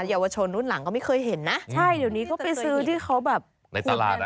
เยาวชนรุ่นหลังก็ไม่เคยเห็นนะใช่เดี๋ยวนี้ก็ไปซื้อที่เขาแบบในตลาดนะ